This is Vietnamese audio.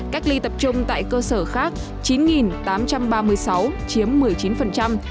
các ly tập trung tại cơ sở khác là chín tám trăm ba mươi sáu chiếm một mươi chín